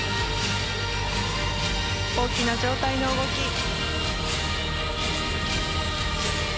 大きな上体の動き。